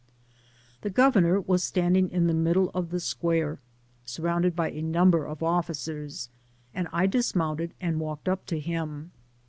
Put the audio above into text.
The governor was standing in the middle of the square, surrounded by a number of officers, and I dismounted and walked up to him.